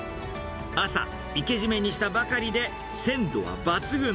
朝、いけじめにしたばかりで、鮮度は抜群。